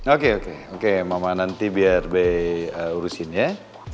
oke oke oke mama nanti biar be urusin ya